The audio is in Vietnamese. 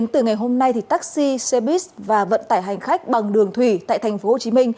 từ ngày hôm nay taxi xe buýt và vận tải hành khách bằng đường thủy tại tp hcm